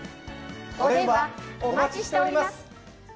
お電話お待ちしております。